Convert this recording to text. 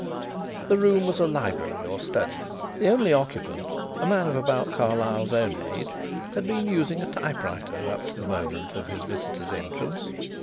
The room was a library or study. The only occupant, a man of about Carlyle's own age, had been using a typewriter up to the moment of his visitor's entrance.